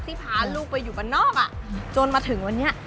พาลูกไปอยู่บ้านนอกจนมาถึงวันนี้